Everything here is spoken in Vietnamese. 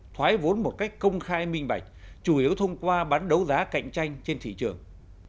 thoái vốn một cách công khai minh bạch chủ yếu thông qua bán đấu giá cạnh tranh trên thị trường